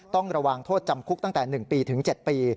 ต้องระวังโทษจำคุกตั้งแต่๑ปีถึง๗ปี